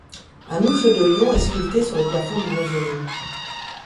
Un mufle de lion est sculpté sur le plafond du mausolée.